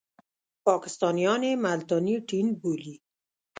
پاکستانیان یې ملتانی ټېنټ بولي.